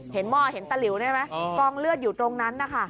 เห็นหม้อเห็นตะลิวใช่ไหมกองเลือดอยู่ตรงนั้น